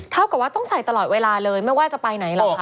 เท่ากับว่าต้องใส่ตลอดเวลาเลยไม่ว่าจะไปไหนหรอกค่ะ